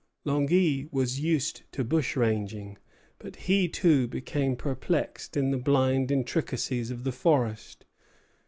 Langy was used to bushranging; but he too became perplexed in the blind intricacies of the forest.